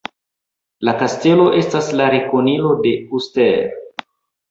La kastelo estas la rekonilo de Uster.